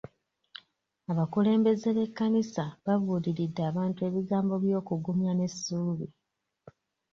Abakulembeze b'ekkanisa babuuliridde abantu ebigambo by'okugumya n'essuubi.